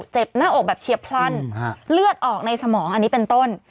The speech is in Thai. หน้าอกแบบเฉียบพลันเลือดออกในสมองอันนี้เป็นต้น